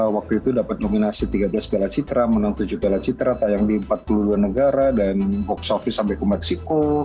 waktu itu dapat nominasi tiga belas piala citra menang tujuh piala citra tayang di empat puluh dua negara dan box office sampai ke meksiko